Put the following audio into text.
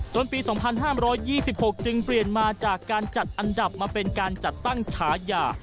ปี๒๕๒๖จึงเปลี่ยนมาจากการจัดอันดับมาเป็นการจัดตั้งฉายา